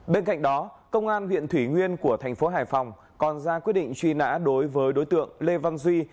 bên cạnh đó công an huyện thủy nguyên của thành phố hải phòng còn ra quyết định truy nã đối với đối tượng lê văn duy